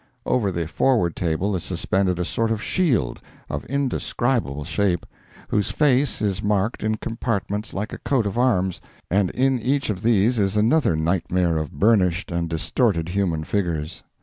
Over the forward table is suspended a sort of shield, of indescribable shape, whose face is marked in compartments like a coat of arms, and in each of these is another nightmare of burnished and distorted human figures.